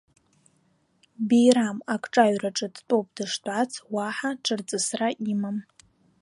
Бирам акҿаҩраҿы дтәоуп дыштәац, уаҳа ҽырҵысра имам.